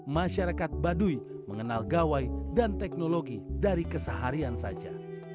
masyarakat baduy mengenal gawai dan teknologi dari keseharian saja